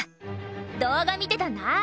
動画見てたんだ！